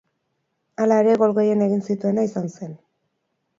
Hala ere, gol gehien egin zituena izan zen.